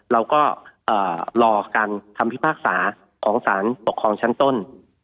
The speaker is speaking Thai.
เราก็รอการคำพิพากษาของสารปกครองชั้นต้น